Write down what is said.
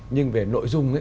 nhưng về nội dung